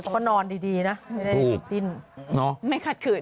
ก็นอนดีนะไม่ได้ขัดขืน